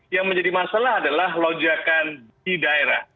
yang menjadi masalah adalah lonjakan di daerah